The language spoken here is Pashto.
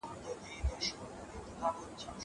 زه بوټونه پاک کړي دي.